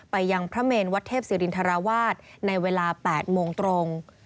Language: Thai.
ไปยังพระเมนวัดเทพศิรินทราวาสในเวลา๘โมงตรง